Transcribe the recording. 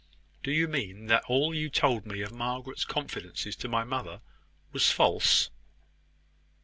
"Do you mean that all you told me of Margaret's confidences to my mother was false?"